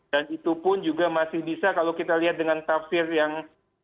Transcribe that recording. dan itu pun juga masih bisa kalau kita lihat dengan tafsir yang